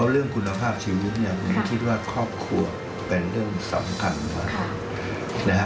เรื่องคุณภาพชีวิตกรอบครัวเป็นเรื่องสำคัญ